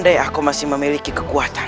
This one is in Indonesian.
dan aku masih memiliki kekuatan